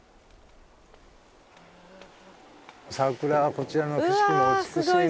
桜はこちらの景色も美しいんですが。